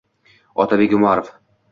Otabek Umarov: